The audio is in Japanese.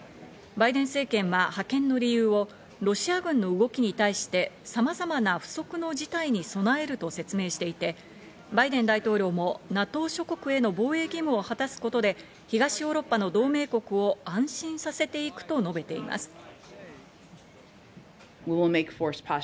バイデン政権は派遣の理由をロシア軍の動きに対してさまざまな不測の事態に備えると説明していて、バイデン大統領もＮＡＴＯ諸国への防衛義務を果たすことで、東ヨーロッパの同盟国を安心させていくと述べています。